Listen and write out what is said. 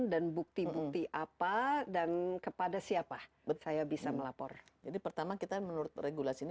dan bukti bukti apa dan kepada siapa saya bisa melapor jadi pertama kita menurut regulasi ini